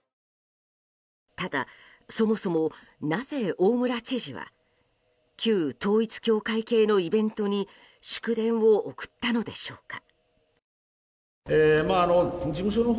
ただ、そもそもなぜ大村知事は旧統一教会系のイベントに祝電を送ったのでしょうか。